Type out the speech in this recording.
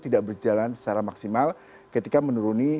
tidak berjalan secara maksimal ketika menuruni